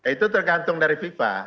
itu tergantung dari fifa